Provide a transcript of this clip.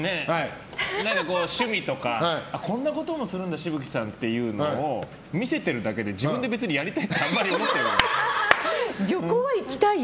趣味とかこんなこともするんだ紫吹さんっていうのを見せてるだけで自分で別にやりたいとは旅行は行きたいよ！